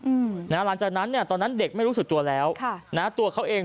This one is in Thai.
อืมนะฮะหลังจากนั้นเนี่ยตอนนั้นเด็กไม่รู้สึกตัวแล้วค่ะนะตัวเขาเอง